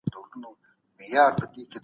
موږ بايد د حالاتو متن ته په ځير ورشو.